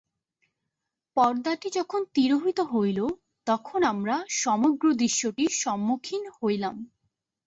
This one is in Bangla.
পর্দাটি যখন তিরোহিত হইল, তখন আমরা সমগ্র দৃশ্যটির সম্মুখীন হইলাম।